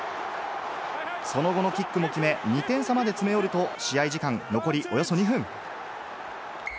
その後のキックも決め、２点差まで詰め寄ると、試合時間、残りおよそ２分。